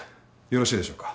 よろしいでしょうか？